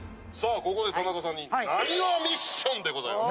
ここで田中さんになにわミッションでございます。